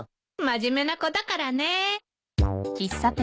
真面目な子だからね。